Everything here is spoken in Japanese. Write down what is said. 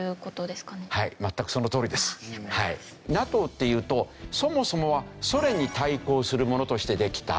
ＮＡＴＯっていうとそもそもはソ連に対抗するものとしてできた。